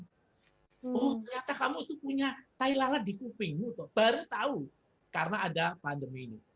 ternyata kamu itu punya tai lalat di kupingmu baru tahu karena ada pandemi ini